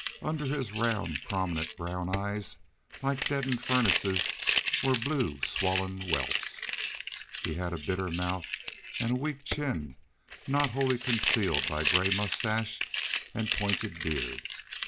Under his round, prominent, brown eyes, like deadened furnaces, were blue swollen welts. He had a bitter mouth and weak chin, not wholly concealed by gray mustache and pointed beard.